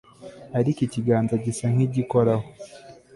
Ariko ikiganza gisa nkigikoraho